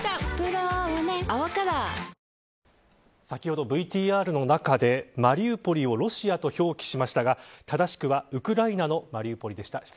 先ほどＶＴＲの中でマリウポリをロシアと表記しましたが正しくはウクライナのマリウポリでした。